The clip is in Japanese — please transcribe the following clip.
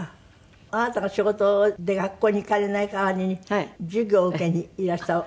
あなたが仕事で学校に行かれない代わりに授業を受けにいらした。